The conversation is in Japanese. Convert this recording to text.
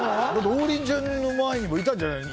王林ちゃんの前にもいたんじゃないの？